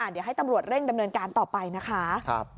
เดี๋ยวให้ตำรวจเร่งดำเนินการต่อไปนะคะ